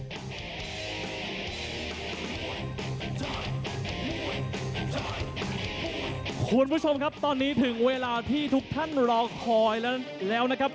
คุณผู้ชมครับตอนนี้ถึงเวลาที่ทุกท่านรอคอยแล้วนะครับ